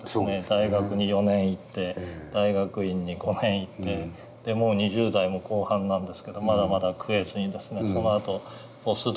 大学に４年行って大学院に５年行ってでもう２０代も後半なんですけどまだまだ食えずにですね